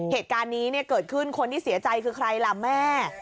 เหตุการณ์นี้เกิดขึ้นคนที่เสียใจคือใครล่ะแม่